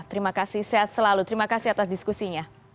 terima kasih sehat selalu terima kasih atas diskusinya